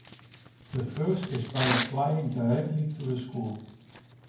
The first is by applying directly to the school.